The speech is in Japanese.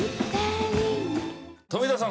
富田さん